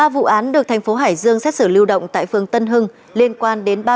ba vụ án được thành phố hải dương xét xử lưu động tại phương tân hưng liên quan đến ba bị cáo